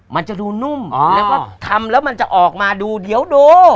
มันจะดูนุ่มแล้วก็ทำแล้วมันจะออกมาดูเดี๋ยวดู